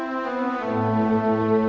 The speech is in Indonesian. aku ajar lu kan